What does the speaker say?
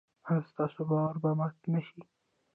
ایا ستاسو باور به مات نشي؟